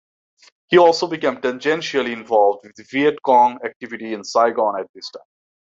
He also became tangentially involved with Viet Cong activity in Saigon at this time.